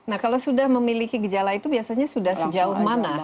nah kalau sudah memiliki gejala itu biasanya sudah sejauh mana